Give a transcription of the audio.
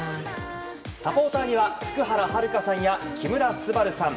サポーターには福原遥さんや木村昴さん